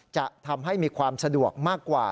จะทำให้มีความสะดวกมากกว่า